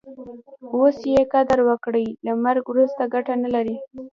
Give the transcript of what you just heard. اوس ئې قدر وکړئ! له مرګ وروسته ګټه نه لري.